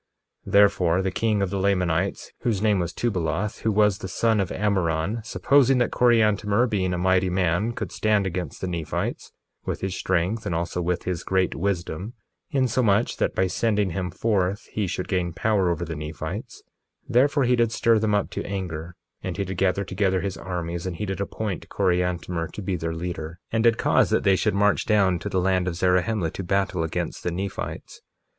1:16 Therefore, the king of the Lamanites, whose name was Tubaloth, who was the son of Ammoron, supposing that Coriantumr, being a mighty man, could stand against the Nephites, with his strength and also with his great wisdom, insomuch that by sending him forth he should gain power over the Nephites— 1:17 Therefore he did stir them up to anger, and he did gather together his armies, and he did appoint Coriantumr to be their leader, and did cause that they should march down to the land of Zarahemla to battle against the Nephites.